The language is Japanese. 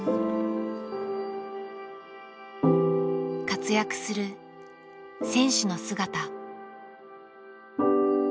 活躍する選手の姿。